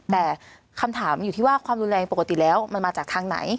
แต่คำถามมันอยู่ที่ว่าความรุนแรงปกติแล้วมันมาจากทางไหน